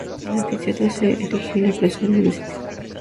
El anfiteatro se erigió en la plaza del Municipio.